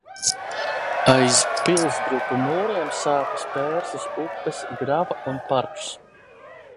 Aiz pilsdrupu mūriem sākas Pērses upes grava un parks.